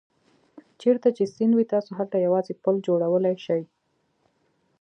چېرته چې سیند وي تاسو هلته یوازې پل جوړولای شئ.